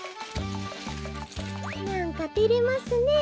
なんかてれますねえ。